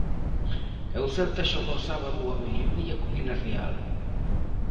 E o Celta xoga o sábado ao mediodía co Vilarreal.